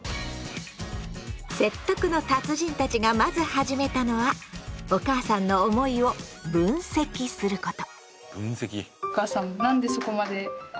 説得の達人たちがまず始めたのはお母さんの思いを分析すること。